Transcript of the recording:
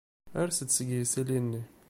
Ers-d seg yisili-nni.